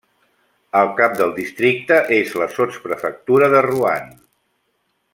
El cap del districte és la sotsprefectura de Roanne.